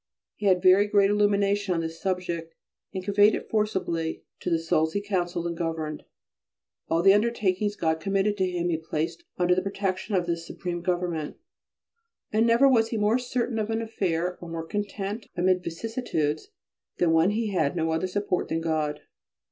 He had very great illumination on this subject, and conveyed it forcibly to the souls he counselled and governed. All the undertakings God committed to him he placed under the protection of this supreme government, and never was he more certain of an affair or more content amidst vicissitudes than when he had no other support than God.